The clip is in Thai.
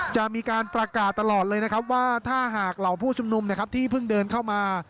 จะมีการประกาศตลอดเลยนะครับว่าถ้าหากเหล่าผู้ชุมนุมนะครับที่เพิ่งเดินเข้ามา